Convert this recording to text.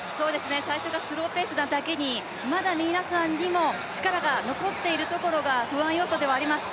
最初がスローペースなだけに、まだ皆さんにも力が残っているところが不安要素ではあります。